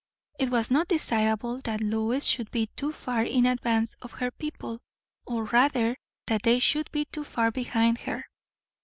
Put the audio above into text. It was not desirable that Lois should be too far in advance of her people, or rather that they should be too far behind her.